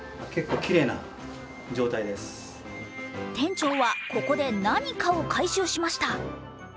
店長は、ここで何かを回収しました。